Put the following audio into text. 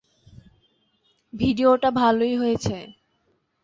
ভিডিওটা ভালোই হয়েছে।